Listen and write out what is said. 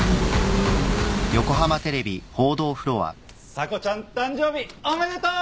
査子ちゃん誕生日おめでとう！